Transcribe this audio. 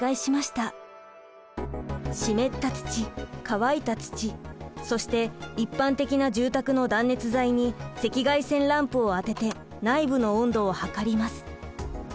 湿った土乾いた土そして一般的な住宅の断熱材に赤外線ランプを当てて内部の温度を測ります。